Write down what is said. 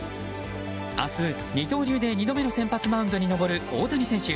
明日、二刀流で２度目の先発マウンドに上る大谷選手。